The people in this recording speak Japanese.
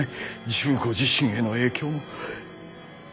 十五自身への影響も。